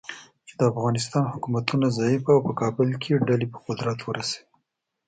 چې د افغانستان حکومتونه ضعیفه او په کابل کې ډلې په قدرت ورسوي.